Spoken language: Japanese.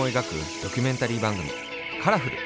ドキュメンタリーばんぐみ「カラフル！」。